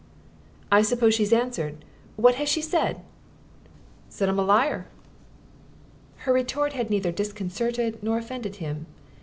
"I suppose she's answered? What has she said?" "Said 'm a liar!" Her retort had neither disconcerted nor offended him.